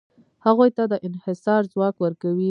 هغوی ته د انحصار ځواک ورکوي.